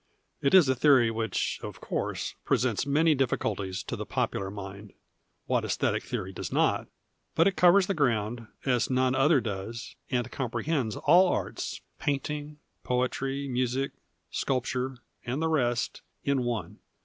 It is a theory which, of course, presents many difficulties to the popular mind — what aesthetic theory does not ?— but it covers the ground, as none other does, and comprehends all arts, painting, poetry, music, sculpture, and the rest, in one.